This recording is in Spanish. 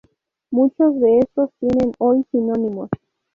Muchos de estos tienen hoy sinónimos.